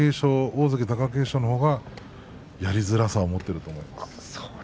大関貴景勝の方がやりづらさを持っていると思います。